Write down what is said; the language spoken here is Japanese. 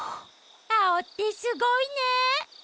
アオってすごいね。